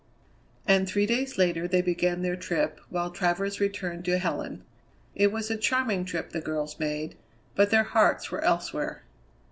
And three days later they began their trip, while Travers returned to Helen. It was a charming trip the girls made, but their hearts were elsewhere.